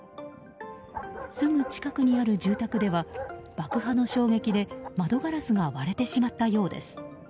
すぐ近くにある住宅では爆破の衝撃で窓ガラスが割れてしまったようです。